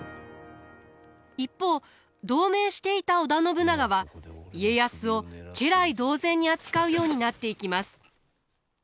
一方同盟していた織田信長は家康を家来同然に扱うようになっていきます。